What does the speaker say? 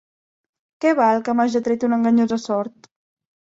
Què val que m'haja tret una enganyosa sort?